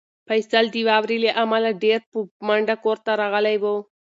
فیصل د واورې له امله ډېر په منډه کور ته راغلی و.